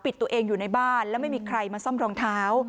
ตัวเองอยู่ในบ้านแล้วไม่มีใครมาซ่อมรองเท้า